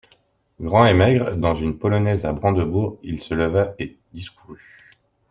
Grand et maigre, dans une polonaise à brandebourgs, il se leva, discourut.